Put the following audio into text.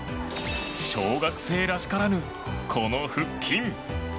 小学生らしからぬ、この腹筋。